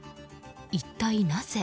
一体、なぜ？